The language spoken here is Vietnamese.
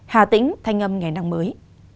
hà tĩnh thanh âm ngày năng mới